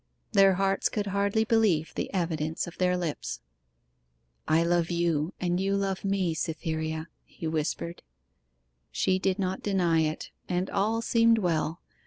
Their hearts could hardly believe the evidence of their lips. 'I love you, and you love me, Cytherea!' he whispered. She did not deny it; and all seemed well.